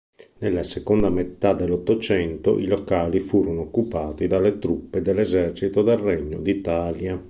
Nella seconda metà dell'Ottocento i locali furono occupati dalle truppe dell'esercito del Regno d'Italia.